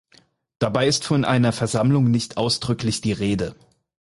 Dabei ist von einer Versammlung nicht ausdrücklich die Rede.